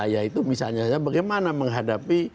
yaitu misalnya bagaimana menghadapi